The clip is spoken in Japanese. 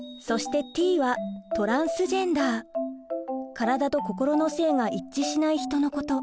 体と心の性が一致しない人のこと。